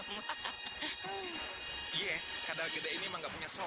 iya kadang kadang gede ini emang nggak punya suhu